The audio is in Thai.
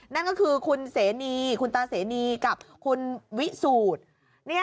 นั่นก็คือคุณเสนีคุณตาเสนีกับคุณวิสูจน์